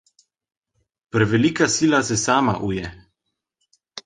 Prevelika sila se sama uje.